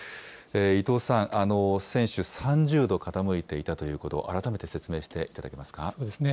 伊藤さん、船首３０度傾いていたということ、改めて説明していただけますか。